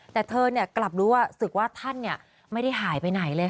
แต่เธอกลับรู้สึกว่าท่านไม่ได้หายไปไหนเลยค่ะ